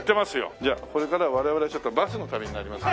じゃあこれからは我々ちょっとバスの旅になります。